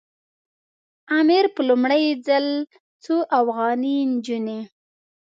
امیر په لومړي ځل څو افغاني نجونې.